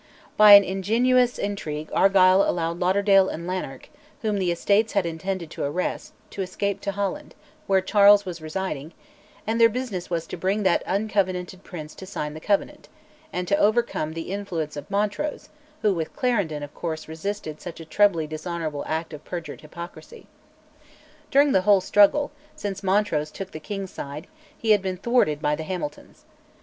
By an ingenious intrigue Argyll allowed Lauderdale and Lanark, whom the Estates had intended to arrest, to escape to Holland, where Charles was residing, and their business was to bring that uncovenanted prince to sign the Covenant, and to overcome the influence of Montrose, who, with Clarendon, of course resisted such a trebly dishonourable act of perjured hypocrisy. During the whole struggle, since Montrose took the king's side, he had been thwarted by the Hamiltons.